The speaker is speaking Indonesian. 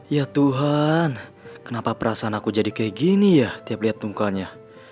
ya tuhan kenapa perasaan aku jadi kayak gini ya tiap lihat tungkalnya